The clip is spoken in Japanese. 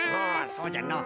そうじゃのう。